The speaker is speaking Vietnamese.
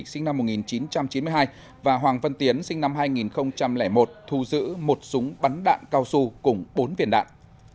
sinh năm một nghìn chín trăm chín mươi hai và hoàng văn tiến sinh năm hai nghìn một thu giữ một súng bắn đạn cao su cùng bốn viên đạn